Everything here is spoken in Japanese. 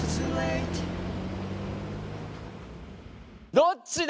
どっちだ？